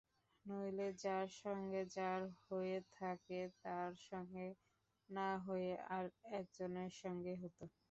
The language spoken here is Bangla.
নইলে যার সঙ্গে যার হয়ে থাকে তার সঙ্গে না হয়ে আর-একজনের সঙ্গে হত।